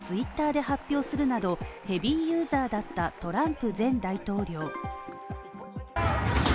数々の重要な政策をツイッターで発表するなど、ヘビーユーザーだったトランプ前大統領。